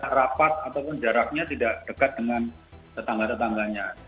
rapat ataupun jaraknya tidak dekat dengan tetangga tetangganya